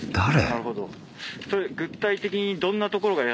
なるほど。